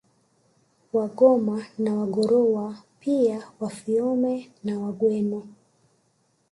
Wagoma na Wagorowa pia Wafiome na Wagweno